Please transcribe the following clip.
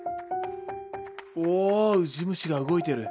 おウジ虫が動いてる。